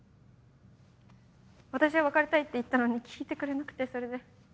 私は別れたいって言ったのに聞いてくれなくてそれで。